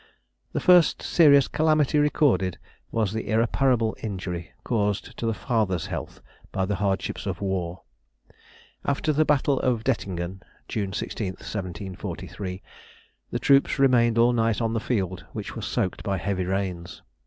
_] The first serious calamity recorded was the irreparable injury caused to the father's health by the hardships of war. After the battle of Dettingen (June 16th, 1743) the troops remained all night on the field, which was soaked by heavy rains.